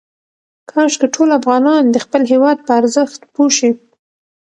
کاشکې ټول افغانان د خپل هېواد په ارزښت پوه شي.